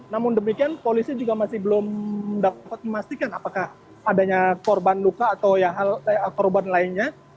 namun demikian polisi juga masih belum dapat memastikan apakah adanya korban luka atau korban lainnya